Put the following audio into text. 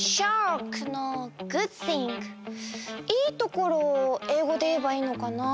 いいところをえいごでいえばいいのかなあ。